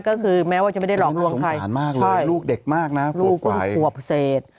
ก็คือแม้ว่าจะไม่ได้หลอกลวงใครใช่ลูกกว่าเศษ